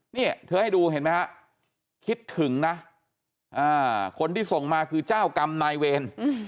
นี่เธอให้ดูเห็นไหมฮะคิดถึงนะคนที่ส่งมาคือเจ้ากรรมนายเวร